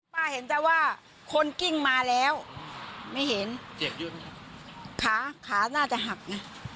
ป้าเห็นแต่ว่าคนกิ้งมาแล้วไม่เห็นเสียงยุ่นไงขาขาน่าจะหักน่ะ